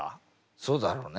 そうだろうね。